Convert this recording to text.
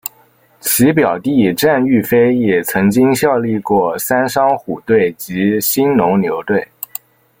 其表弟战玉飞也曾经效力过三商虎队及兴农牛队。